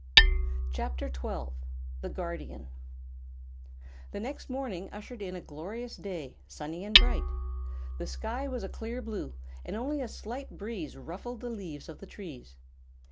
[CHAPTER XII] The Guardian The next morning ushered in a glorious day, sunny and bright. The sky was a clear blue, and only a slight breeze ruffled the leaves of the trees.